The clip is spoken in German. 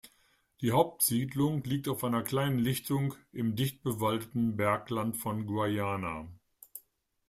Die Hauptsiedlung liegt auf einer kleinen Lichtung im dich bewaldeten Bergland von Guayana.